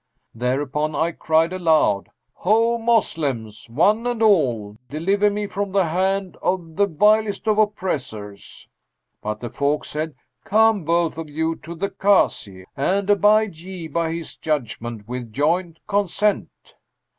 Thereupon, I cried aloud 'Ho Moslems,[FN#211] one and all, deliver me from the hand of the vilest of oppressors!' But the folk said, 'Come, both of you, to the Kazi and abide ye by his judgment with joint consent.'